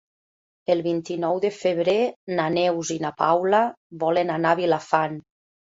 El vint-i-nou de febrer na Neus i na Paula volen anar a Vilafant.